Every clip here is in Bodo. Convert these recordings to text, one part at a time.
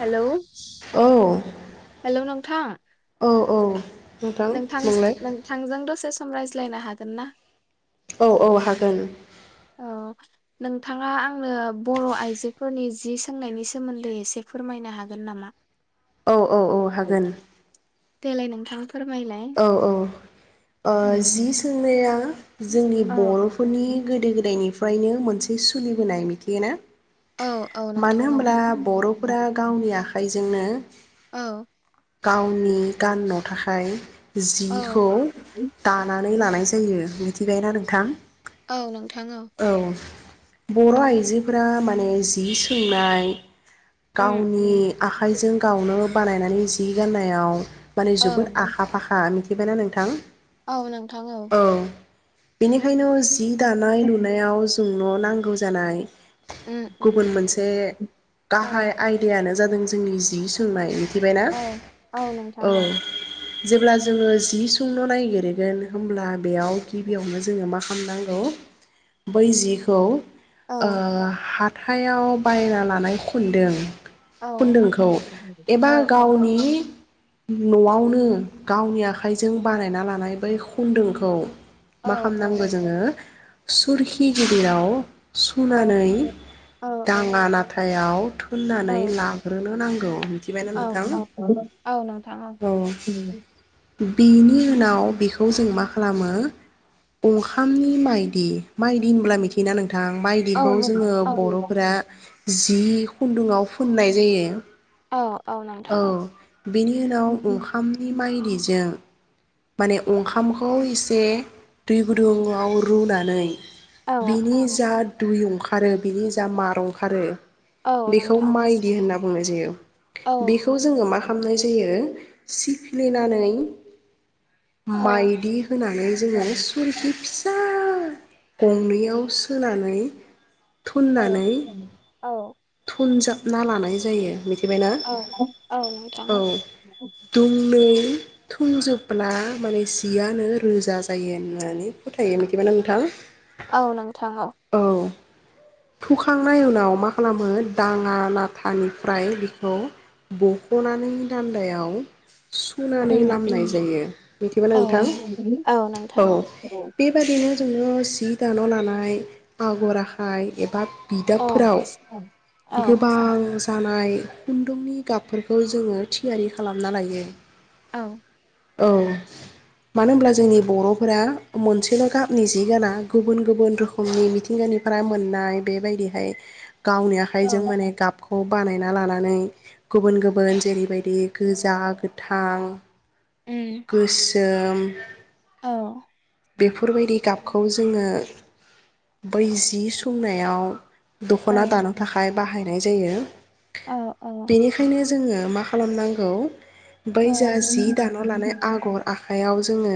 हेलौ औ हेलौ नों थां। औ औ। नोंथां नोंथांजों दसे सम रायज्लायनो हागोन ना? औ औ हागोन। औ नोंथाङा आंनो बर' आइजोफोरनि जि सोंनायनि सोमोन्दै एसे फोरमायनो हागोन नामा? औ औ औ हागोन। देलाय नोंथां फोरमायलाय औ औ ओ जि उम सोंनाया जोंनि औ बर'फोरनि गोदो गोदायनिफ्रायनो मोनसे सोलिबोनाय मिथियो ना औ औ नोंथां मानो औ होनब्ला बर'फोरा गावनि आखा खायजोंनो औ गावनि गाननो थाखाय औ जिखौ दानानै लानाय जायो मि थिबायना नोंथां औ नोंथां औ बर' आइजोफोरा माने जि सोंनाय उम गावनि उम आखाइजों गावनो बानायनानै जि गान्नायाव माने जोबोद आखा फाखा मिथिबायना नोंथां औ नोंथां औ बेनिखायनो जि दानाय उम लुनायाव जोंन' नांगौ जानाय गुबुन उम मोनसे औ गाहाय आयदायानो जादों जोंनि जि सोंनाय मि थिबाय ना औ औ नोंथां औ जेब्ला जोङो जि सोंन' नागिरगोन होमब्ला बेयाव गिबियावनो जोङो मा खा लाम नांगौ बै जिखौ औ ओ हाथ थायाव बायना लानाय खुनदों औ खुनदोंखौ औ एबा औ गावनि न'वावनो गावनि आखाइजों बानायना लानाय बै खुन्दोंखौ औ मा खामनांगौ जोङो सुरखि गिदिराव औ सुनानै औ दाङा नाथायाव होननानै लाग्रोनो नांगौ मिथिबायना नोंथां औ औ बेनि उनाव बेखौ जों मा खालामो अंखामनि माइदि माइदि होनब्ला मिथियोना नों थां औ बायदिखौ जोङो औ बर'फोरा नोंथां जि जि खुन्दुङाव फोननाय जायो। औ औ बेनि उनाव अंखामनि माइदिजों माने अंखामखौ एसे दै गुदुङाव रुनानै औ बिनि जाद दुइ अंखारो बिनि जा मार अंखारो। औ बेखौ नोंथां माइदि होनना बुंनाय जायो। [inaudible] बेखौ जोङो माख [unintelligible] जायो सिफ्लिनानै माइदि होनानै जोङो सुरखि फिसा गंनैयाव सोनानै थुननानै थुनजा ना लानाय जायो। मिथिबायना औ औ नोंथाङा थुनजोब ब्ला माने जियानो रोजा जायो होननानै फोथायो मिथिबायना नोंथां। औ नोंथां औ। थुखांनायनि उनाव मा खालामो दाङा नाथानिफ्राय बेखौ बख'नानै दान्दायाव सुुनानै उम उम लामनाय जायो। मिथिबाय औ नोंथां औ बेबादिनो जोङो जि दान' लानाय आगर आखाय एबा औ बिदाबफोराव गोबां जानाय खुन्दुंनि गाबफोरखौ जोङो थियारि खालामना लायो। औ मानो होनब्ला जोंनि बर'फोरा मोनसेल' गाबनि जि गाना गुबुन गुबुन रोखोमनि मिथिंगानिफोरा मोननाय बेबायदिहाय गावनि आखाइजों उम माने गाबखौ बानायना लानानै गुबुन गुबुन जेरैबायदि गोजा गोथां गोस सोम औ। बेफोरबायदि गाबखौ जोङो बै जि सोंनायाव औ दख'ना दानो थाखाय बाहाय नाय जायो। औ औ। बेनिखायनो जोङो मा खालामनांगौ बै औ जा जि दान' लानाय आगर आखाइयाव जोङो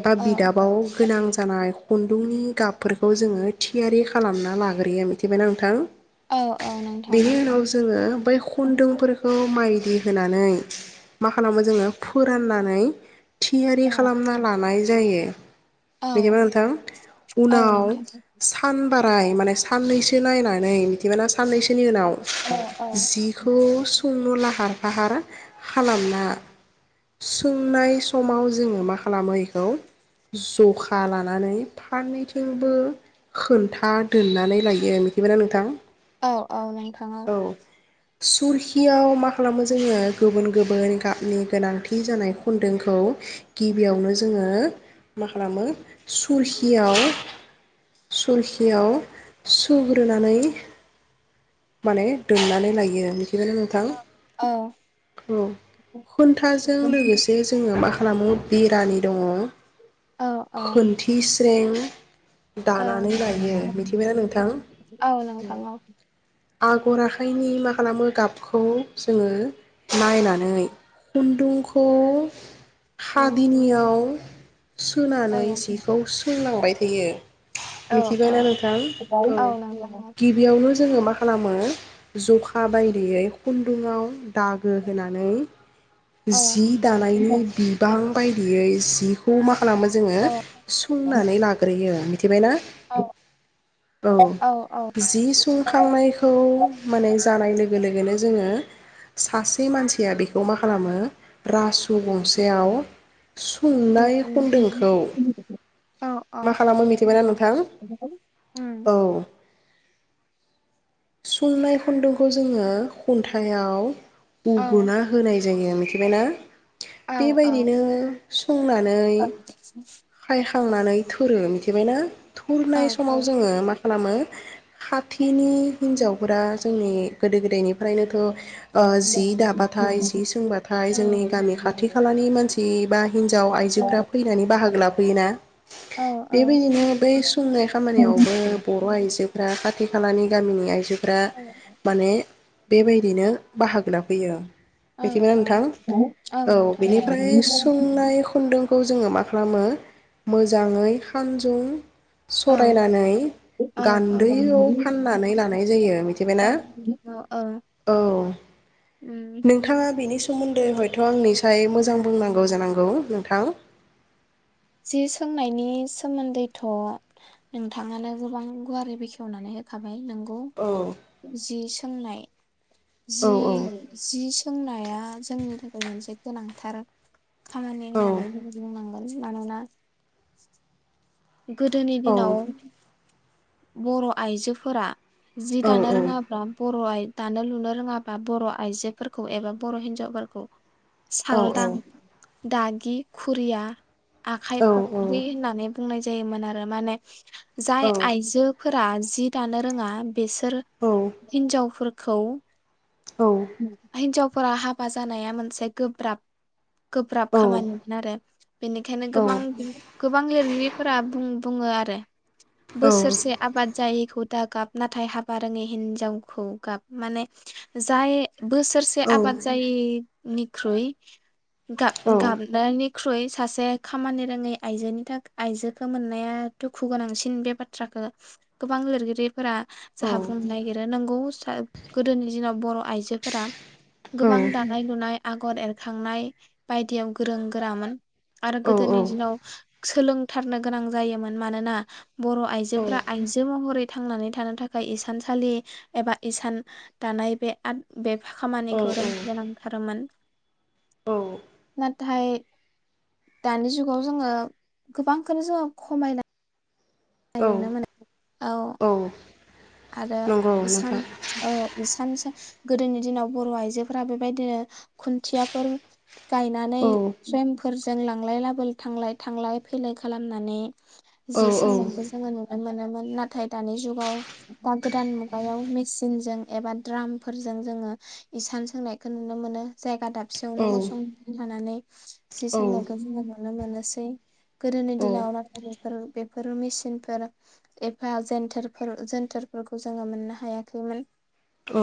एबा बि गाबाव गोनां जानाय खुन्दुंनि गाबफोरखौ जोङो थियारि खालामना लाग्रोयो मिथिबायना नोंथां। औ औ नोंथां बेनि औ उनाव जोङो बै खुन्दुंफोरखौ माइ होनानै मा खालामो जोङो फोराननानै थियारि औ खालामना लानाय जायो औ बिदिबा नोंथां उनाव नोंथां सानबा [unintelligible] माने साननैसो नायनानै मिथिबायना साननैसोनि उनाव औ जिखौ सोंनो लाहार फाहार खालामना सोंनाय समाव जोङो मा खालामो इखौ जखा लानानै फाननैथिबो खोन्था दोननानै लायो मिथिबायाना नोंथां। औ-औ नोंथाङा सोरखियाव मा खालामनाय जोङो गुबुन-गुबुन गाबनि गोनांथि जानाय खुन्दोंखौ गिबियावनो जोङो मा खालामो सुरखियाव सुरखियाव सुग्रोनानै माने दोननानै लायो। [unintelligible] नोंथां खुन्थाजों लोगोसे जोङो मा खालामो बिरानि दङ। खनथिस [unintelligible] दानानै लायो मिथिबायना नोंथां। औ आगर आखाइनि मा खालामो गाबखौ जोङो नायनानै खुन्दुंखौ उम उम हादिनियाव औ सुनानै जिखौ सोलाव बाय थायो। औ औ मिथिबायना नोंथां औ नोंथां औ गिबियावनो जोङो मा खालामो जखा बायदियै खुन्दुङाव दागो होनानै औ जि दानायनि औ बिबां बायदियै सि खौ मा खालामो जोङो सुंनानै लाग्रोयो मिथिबायना? औ औ जि सुंखांनायखौ माने जानाय लोगो लोगो लोगोनो जोङो सासे मानसिया बेखौ मा खालामो रासु गंसेयाव उम सुंनाय उम खुन्दुंखौ औ उम मा खालामो मिथिबायना नोंथां? औ। सुंनाय खुन्दुंखौ जोङो खुन्थायाव [unintelligible] होनाय जायो थिबायना? औ औ बेबायदिनो सुंनानै [inaudible] हाया हांनानै थोरो मिथिबाय ना? औ थोरनाय औ समाव जोङो मा खालामो खाथिनि हिनजावफोरा जोंनि गोदो गोदायनिफ्रायनोथ' ओ जि दाबाथाय जि सोंबाथाय जोंनि गामि खाथि खालानि मानसि हिनजाव औ आइजोफ्रा फैनानै बाहागो लाफै बे ना औ बेबायदिनो बे सुंनाय खामानियावबो बर' आइजोफ्रा खाथि खालानि गामिनि आइजो फोरा माने बेबायदिनो बाहागो लाफैयो। औ बिदिनो नोंथां औ बिनिफ्राय सुंनाय खुन्दुं खौ जोङो मा खालामो मोजाङै खानजुं औ सरायनानै औ औ गान्दैयाव फाननानै लानाय जायो मिथिबायना? औ औ औ उम नोंथाङा बेनि सो सोमोन्दै हयथ आंनिसाय मोजां बुंनांगौ जानांगौ नोंथां। जि सोंनायनि सोमोन्दैथ नोंथाङानो गोबां गुवारै बेखेवनानै होखाबाय नोंगौ। औ जि सोंनाय। जि औ औ जि सोंनाय जोंनि थाखाय मोनसे गोनांथार खामानि औ होननानै जों बुंनां मानोना गोदोनि औ दिनाव बर' आइजोफोरा जि औ दानो रोङाब्ला बर' आइजो दानो लुनो रोङाबा बर' आइजोफोरखौ एबा बर' हिनजावफोरखौ औ सालदां दागि खुरिया आखाइ औ फख्रि होननानै बुंनाय जायोमोन आरो माने जाय औ आइजो फोरा जि दानो रोङा बेसोर औ हिनजावफोर खौ हिनजाव फोरा हाबा जानाया मोनसे गोब्राब गोब्राब खामानिमोन आरो बेनिखायनो गोबां गोबां लिरगिरिफोरा बुं बुङो आरो। औ। जे आबाद जायैखौ दा गाब नाथाय हाबा रोङै हिनजावखौ गाब माने जाय बोसोरसे औ आबाद जायै निख्रुय गाब गाबनायनि ख्रुइ सासे खामानि रोङै आइजोनि थाखाय आइजोखौ मोननाया दुखु गोनांसिन बे बाथ्राखो गोबां लिरगिरि फोरा जाहा बुंनो नागिरो नोंगौ गोदोनि दिनाव बर' आइजोफोरा गोबां दानाय लुनाय आगर एरखांनाय बायदियाव गोरों गोरामोन। आरो गोदोनि दिनाव सोलों थारनो गोनां जायोमोन मानोना बर'। औ जोफोरा आइजो महरै। थांनानै थानो थाखाय इसानसालि एबा इसान दानाय बे आद बे। औ खामानिखौ औ रोंनो गोनांथारमोन। औ मा थाय दानि जुगाव जोङो गोबांखौनो जोङो खमायनाय। औ नुनो मोनो औ। आरो नंगौ इसान नोंथां औ इसानसो। गोदोनि दिनाव बर' आइजोफोरा बेबायदिनो खुन्थियाफोर गायनानै औ फ्रेम। फोरजों लांलाय लाबोल थांलाय-थांलाय फैलाय खालामनानै। औ जि औ सोंनायखौ जोङो नुनो मोनामोन। नाथाय दानि जुगाव। दा गोदान मुगायाव मेसिनजों एबा द्रामफोरजों जोङो इसान सोंनायखौ नुनो मोनो जायगा दाब औ फिसौनो गसं फानानै। सि औ सोंनायखौ जोङो नुनो मोनो। सै। गोदोनि औ दिनाव नाथाय। फोर बेफोर मेसिनफोर एबा जेनथोरफोर जेनथोर। फोरखौ जोङो मोननो हायाखैमोन। औ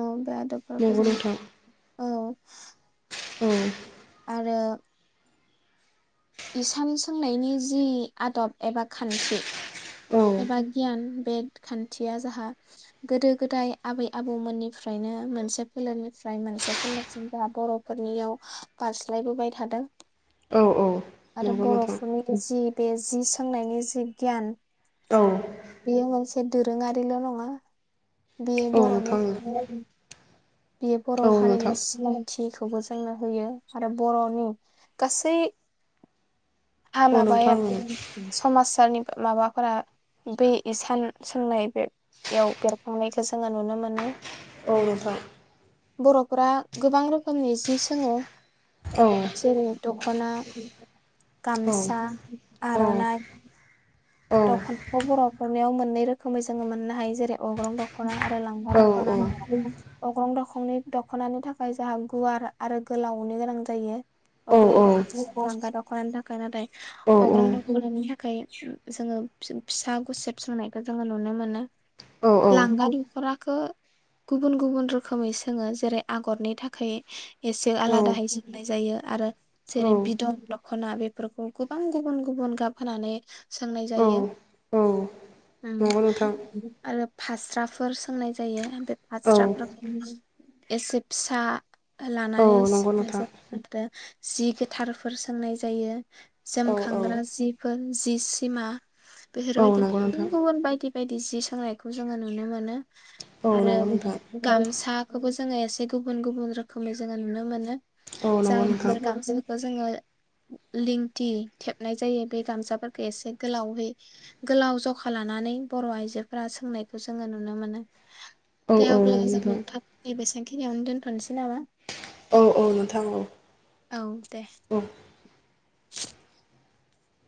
उम बे आदबफोरखौ नंगौ जोङो नोंथां औ औ आरो इसान सोंनायनि जि आदब एबा खान्थि औ एबा गियान बे खान्थिया जाहा गोदो गोदाय आबै आबौमोननिफ्रायनो मोनसे फोलेरनिफ्राय मोनसे फोलेरसिम जोंहा बर'फोरनियाव बारस्लायबोबाय थादों औ आरो नंगौ नोंथां बर'फोरनि जि बे जि सोंनायनि जि गियान औ बेयो मोनसे दोरोङारिल' नङा बेयो औ बर'नि नोंथां [unintelligible] बेयो बर' औ हारिनि नोंथां सिनायथिखौबो जो जोंनो होयो आरो बर'नि गासै। आ औ नोंथां औ माबाया नोंथां सम आसारनि। माबाफोरा बै इसान सोंनाय बे [unintelligible] [unintelligible] जोंङो नुनो मोनो। औ नोंथां। बर'फोरा गोबां रोखोमनि जि सोङो। जेरै दख खना। गामसा औ आरनाइ। औ औ दखना फोराव। हनायाव मोननै रोखोमै जोंङो मोननो हायो जेरै अग्रं दखना लांगा औ औ दखना अग्रं दखनि दखनानि थाखाय जाहा गुवार आरो गोलावनि गोनां जायो औ अग्रं द औ लांगा दखनानि थाखाय नाथाय। अग्रं‌ दखनानि था खै। जोंङो फि-फिसा गुसेब सोंनायख जोंङो नुनो मोनो। लांगा दखरा खो गुबुन गुबुन रोखोमै सोङो जेरै आगरनि थाखाय एसे आलादाहाय सोंनाय जायो आरो जेरै बिदन दखना बेफोरखौ गोबां गुबुन गुबुन गाब होनानै। सोंनाय जायो नंगौ नोंथां उम आरो फास्राफोर सोंनाय जायो बे औ फास्रा [unintelligible] एसे फिसा। लानानै औ नंगौ नोंथां [unintelligible] जि गोथारफोर। सोंनाय जायो। औ औ जोमखांग्रा जिफोर। दिस [unintelligible] औ बेफोरबायदि नंगौ नोंथां गुबुन गुबुन बायदि बायदि जि सोंनायखौ जोङो नुनो मोनो। औ आरो नंगौ नोंथां गामसा खौबो जोङो एसे गुबुन गुबुन रोखोमै जोङो नुनो मोनो। औ नंगौ नोंथां [unintelligible] दा जोङो लिंथि थेबनाय जायो बे गामसाफोरखौ एसे गोलावै गोलाव जखा लानानै बर' आइजोफोरा सोंनायखौ जोङो नुनो मोनो। औ दे औ अब्ला नंगौ जों नोंथां नोंथांनि बेसांखिनियावनो दोनथ' थ'नोसै नामा? औ औ नोंथां औ, औ दे औ।